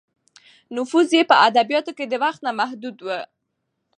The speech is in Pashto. نفوذ یې په ادبیاتو کې د وخت نه محدود و.